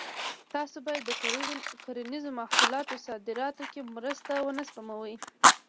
تاسو باید د کرنیزو محصولاتو صادراتو کې مرسته ونه سپموئ.